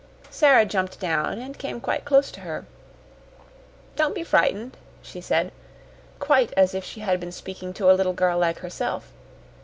Sara jumped down, and came quite close to her. "Don't be frightened," she said, quite as if she had been speaking to a little girl like herself.